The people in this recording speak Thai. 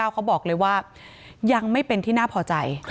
เขาบอกเลยว่ายังไม่เป็นที่น่าพอใจ